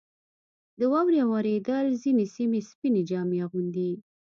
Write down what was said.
• د واورې اورېدل ځینې سیمې سپینې جامې اغوندي.